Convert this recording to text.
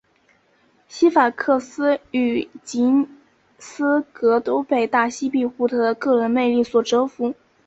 西法克斯与吉斯戈都被大西庇阿的个人魅力所折服。